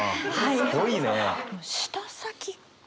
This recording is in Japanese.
すごいね。